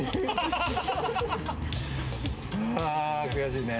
悔しいね。